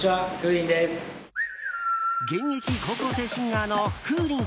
現役高校生シンガーのふうりん。